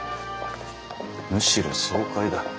むしろ爽快だ。